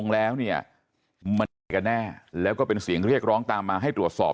แล้วก็เป็นเสียงเรียกร้องตามมาให้ตรวจสอบ